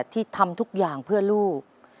ที่ทำทุกอย่างเพื่อลูก